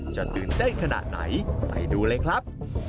จะตื่นเต้นขนาดไหนไปดูเลยครับ